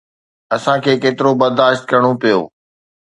اسان کي ڪيترو برداشت ڪرڻو پيو.